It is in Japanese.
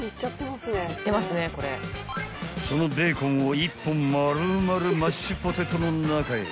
［そのベーコンを１本丸々マッシュポテトの中へ］